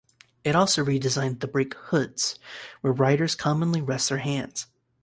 It also redesigned the brake "hoods" where riders commonly rest their hands.